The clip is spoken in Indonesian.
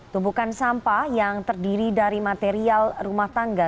tumpukan sampah yang terdiri dari material rumah tangga